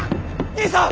兄さん！